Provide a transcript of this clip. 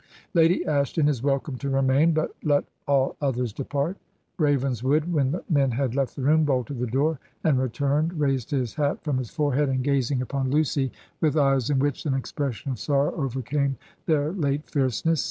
Lady Ashton is welcome to remain, but let all others depart.' Ravenswood, when the men had left the room, bolted the door, and returned, raised his hat from his forehead, and gazing upon Lucy with eyes L^ 97 Digitized by VjOOQIC HEROINES OF FICTION in which an expression of sorrow overcame their late fierceness